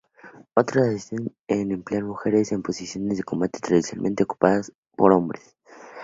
Otros asisten en emplear mujeres en posiciones de combate tradicionalmente ocupadas por hombres.